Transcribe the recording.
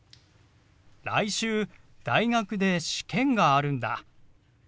来週大学で試験があるんだ。